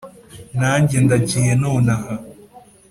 Nanjye ndagiye nonaha